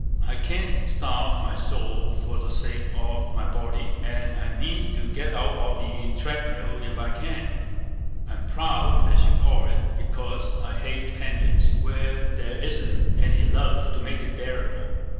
I can't starve my soul for the sake of my body, and I mean to get out of the treadmill if I can. I'm proud, as you call it, because I hate dependence where there isn't any love to make it bearable.